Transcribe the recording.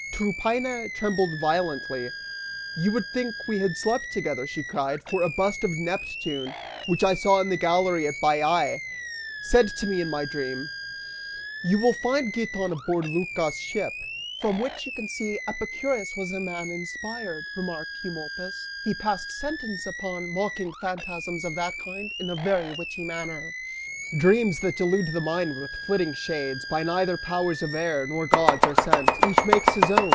Tryphaena trembled violently, "You would think we had slept together," she cried, "for a bust of Neptune, which I saw in the gallery at Baiae, said to me, in my dream You will find Giton aboard Lycas' ship!" "From which you can see that Epicurus was a man inspired," remarked Eumolpus; "he passed sentence upon mocking phantasms of that kind in a very witty manner. Dreams that delude the mind with flitting shades By neither powers of air nor gods, are sent: Each makes his own!